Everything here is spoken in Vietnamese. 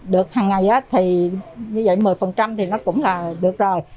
được hàng ngày á thì như vậy một mươi thì nó cũng là được rồi